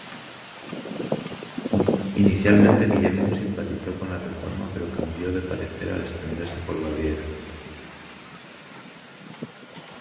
Inicialmente Guillermo simpatizó con la Reforma pero cambió de parecer al extenderse por Baviera.